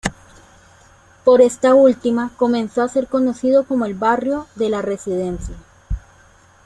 Por esta última, comenzó a ser conocido como el "barrio de la Residencia".